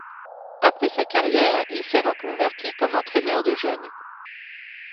Après sa carrière, il s'est reconverti comme entraîneur de jeunes.